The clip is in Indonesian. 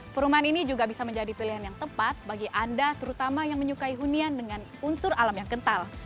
perumahan ini juga bisa menjadi pilihan yang tepat bagi anda terutama yang menyukai hunian dengan unsur alam yang kental